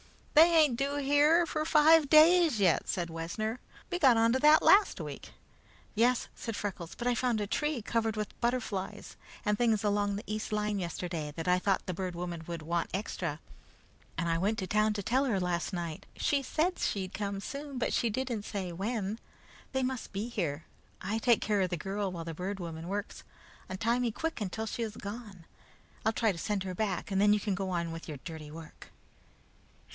"They ain't due here for five days yet," said Wessner. "We got on to that last week." "Yes," said Freckles, "but I found a tree covered with butterflies and things along the east line yesterday that I thought the Bird Woman would want extra, and I went to town to tell her last night. She said she'd come soon, but she didn't say when. They must be here. I take care of the girl while the Bird Woman works. Untie me quick until she is gone. I'll try to send her back, and then you can go on with your dirty work."